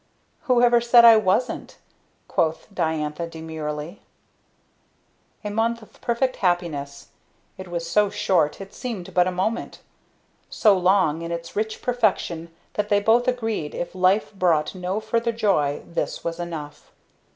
"Who ever said I wasn't?" quoth Diantha demurely. A month of perfect happiness. It was so short it seemed but a moment; so long in its rich perfection that they both agreed if life brought no further joy this was Enough.